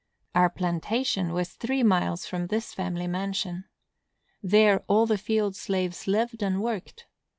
Our plantation was three miles from this family mansion. There all the field slaves lived and worked.